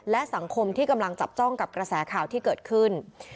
และสังคมที่กำลังจับจ้องกับกระแสข่าวที่เกิดขึ้น